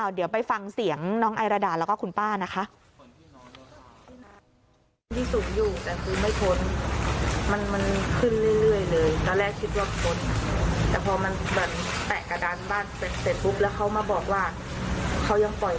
เดี๋ยวไปฟังเสียงน้องไอรดาแล้วก็คุณป้านะคะ